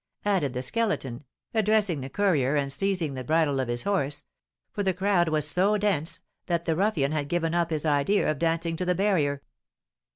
added the Skeleton, addressing the courier and seizing the bridle of his horse, for the crowd was so dense that the ruffian had given up his idea of dancing to the barrier.